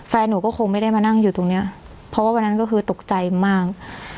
แฟนหนูก็คงไม่ได้มานั่งอยู่ตรงเนี้ยเพราะว่าวันนั้นก็คือตกใจมาก